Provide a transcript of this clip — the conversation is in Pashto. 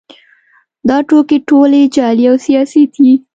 دا ټوکې ټولې جعلي او سیاسي دي